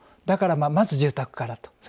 だからまず住宅からと。